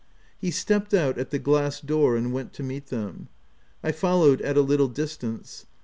5 ' He stepped out at the glass door, and went to meet them. I followed at a little distance.